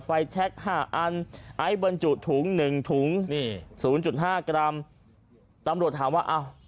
ไฟแชค๕อันไอ้บนจุดถุง๑ถุง๐๕กรัมตำรวจถามว่าอ้าว